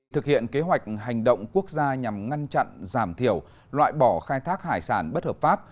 thực hiện kế hoạch hành động quốc gia nhằm ngăn chặn giảm thiểu loại bỏ khai thác hải sản bất hợp pháp